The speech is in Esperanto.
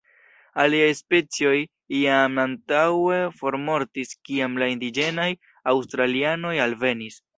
Aliaj specioj jam antaŭe formortis kiam la indiĝenaj aŭstralianoj alvenis.